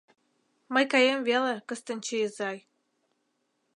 — Мый каем веле, Кыстинчи изай.